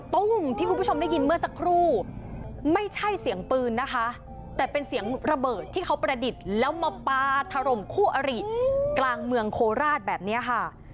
ตุ้งที่คุณผู้ชมได้ยินเมื่อสักครู่ไม่ใช่เสียงปืนนะคะแต่เป็นเสียงระเบิดที่เขาประดิษฐ์แล้วมาปลาถล่มคู่อริกลางเมืองโคราชแบบนี้ค่ะ